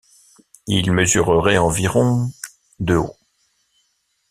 Il mesurerait environ de haut.